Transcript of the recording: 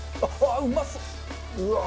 うまそっ！